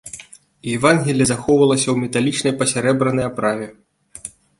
Евангелле захоўвалася ў металічнай пасярэбранай аправе.